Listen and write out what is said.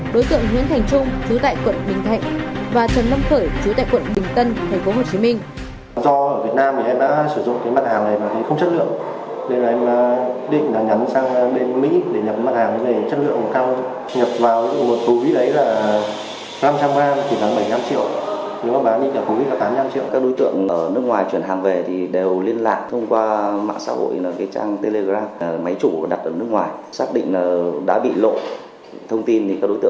đối tượng nguyễn thành trung chú tại quận bình thạnh và trần lâm khởi chú tại quận bình tân tp hcm